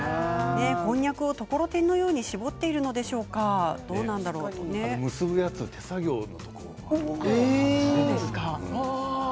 こんにゃくをところてんのように絞っているのでしょうか結ぶやつ手作業のところが多いですよね。